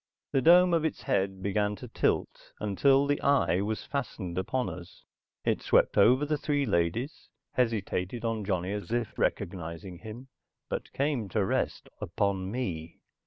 The dome of its head began to tilt until the eye was fastened upon us. It swept over the three ladies, hesitated on Johnny as if recognizing him, but came to rest upon me.